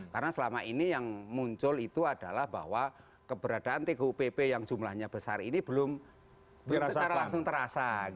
karena selama ini yang muncul itu adalah bahwa keberadaan tgpp yang jumlahnya besar ini belum secara langsung terasa